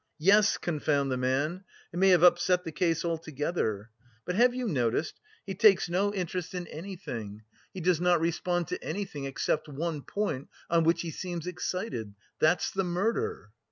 "Yes, confound the man! he may have upset the case altogether. But have you noticed, he takes no interest in anything, he does not respond to anything except one point on which he seems excited that's the murder?"